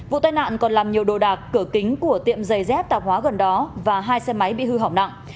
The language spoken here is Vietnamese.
vụ tai nạn còn làm nhiều đồ đạc cửa kính của tiệm giày dép tạp hóa gần đó và hai xe máy bị hư hỏng nặng